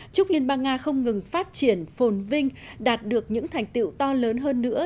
chúc liên bang nga không ngừng phát triển phồn vinh đạt được những thành tiệu to lớn hơn nữa